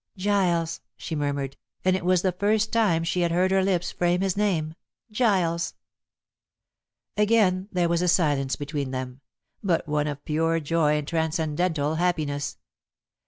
"Giles," she murmured, and it was the first time he had heard her lips frame his name. "Giles!" Again there was a silence between them, but one of pure joy and transcendental happiness.